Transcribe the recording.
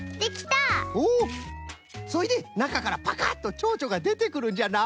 そいでなかからパカッとチョウチョがでてくるんじゃな。